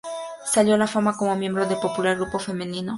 Saltó a la fama como miembro del popular grupo femenino Spice Girls.